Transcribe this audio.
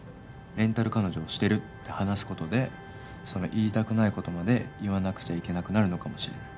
レンタル彼女をしてるって話すことでその言いたくないことまで言わなくちゃいけなくなるのかもしれない。